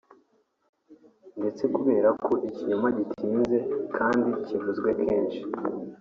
ndetse kubera ko ikinyoma gitinze kandi kivuzwe kenshi